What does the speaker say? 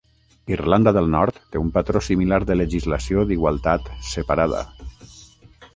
Irlanda del Nord té un patró similar de legislació d'igualtat "separada".